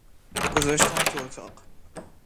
گذاشتم تو اتاق